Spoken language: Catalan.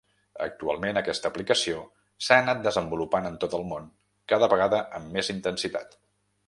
Actualment, aquesta aplicació s'ha anat desenvolupant en tot el món, cada vegada amb més intensitat.